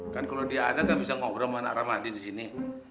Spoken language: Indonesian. kan kalau dia ada kan bisa ngobrol sama anak ramadi di sini